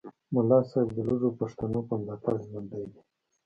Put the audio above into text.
ملا صاحب د لږو پښتنو په ملاتړ ژوندی دی